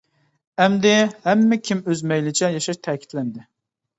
ئەمدى ھەممە كىم ئۆز مەيلىچە ياشاش تەكىتلەندى.